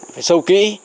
phải sâu kỹ